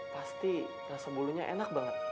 pasti rasa bulunya enak banget